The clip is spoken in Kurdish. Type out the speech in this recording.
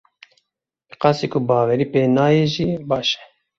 Bi qasî ku bawerî pê nayê jî baş e.